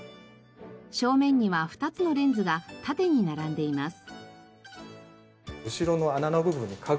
正面には２つのレンズが縦に並んでいます。